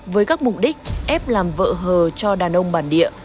với các mục đích ép làm vợ hờ cho đàn ông bản địa